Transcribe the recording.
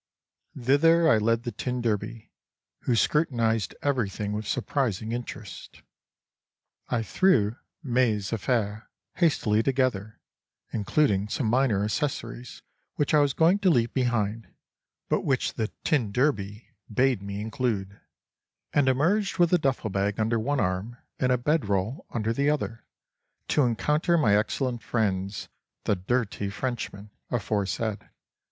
Thither I led the tin derby, who scrutinised everything with surprising interest. I threw mes affaires hastily together (including some minor accessories which I was going to leave behind, but which the t d bade me include) and emerged with a duffle bag under one arm and a bed roll under the other, to encounter my excellent friends, the "dirty Frenchmen," aforesaid.